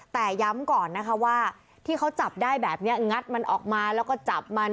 แต่ย้ำก่อนนะคะว่าที่เขาจับได้แบบนี้งัดมันออกมาแล้วก็จับมัน